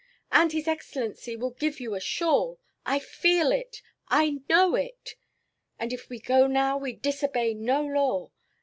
And his excellency will give you a shawl. I feel it! I know it! And if we go now we disobey no law.